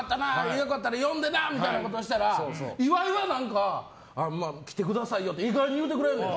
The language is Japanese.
良かったら呼んでなみたいなこと送ったら、岩井は来てくださいよって言ってくれんねん。